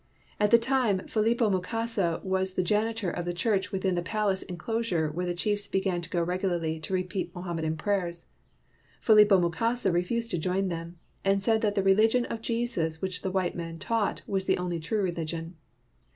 At the time Philipo Mukasa was the janitor of the church within the palace enclosure where the chiefs began to go regularly to repeat Mohammedan prayers. Philipo Mukasa re fused to join them, and said that the religion of Jesus which the white men taught was the only true religion.